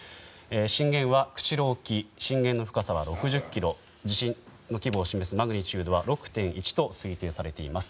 震源は釧路沖震源の深さは６０ｋｍ地震の規模を示すマグニチュードは６．１と推定されています。